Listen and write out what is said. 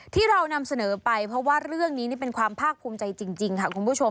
ที่เรานำเสนอไปเพราะว่าเรื่องนี้นี่เป็นความภาคภูมิใจจริงค่ะคุณผู้ชม